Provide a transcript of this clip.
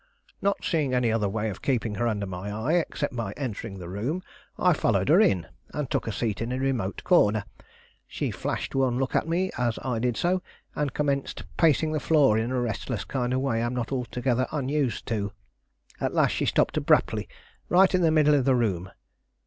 "Not seeing any other way of keeping her under my eye, except by entering the room, I followed her in, and took a seat in a remote corner. She flashed one look at me as I did so, and commenced pacing the floor in a restless kind of way I'm not altogether unused to. At last she stopped abruptly, right in the middle of the room.